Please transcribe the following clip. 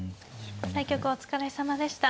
対局お疲れさまでした。